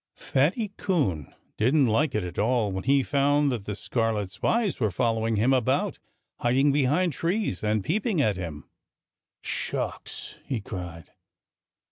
Fatty Coon didn't like it at all when he found that The Scarlet Spies were following him about, hiding behind trees, and peeping at him. "Shucks!" he cried.